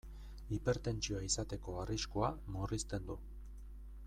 Hipertentsioa izateko arriskua murrizten du.